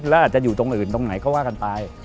แล้วอาจจะอยู่ตรงอื่นตรงไหนก็ว่ากันไป